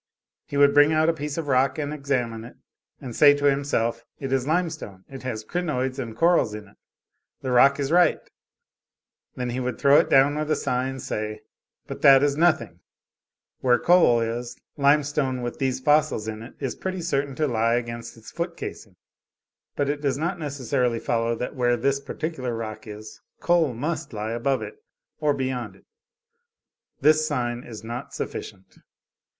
He would bring out a piece of rock and examine it, and say to himself, "It is limestone it has crinoids and corals in it the rock is right" Then he would throw it down with a sigh, and say, "But that is nothing; where coal is, limestone with these fossils in it is pretty certain to lie against its foot casing; but it does not necessarily follow that where this peculiar rock is coal must lie above it or beyond it; this sign is not sufficient."